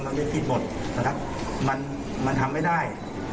เรียนผิดหมดนะครับมันทำไม่ได้